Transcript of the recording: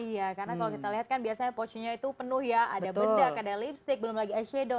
iya karena kalau kita lihat kan biasanya possinya itu penuh ya ada bendak ada lipstick belum lagi eshadow